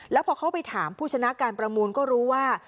แล้วพอเขาไปถามผู้ชนะการประมูลก็รู้ว่า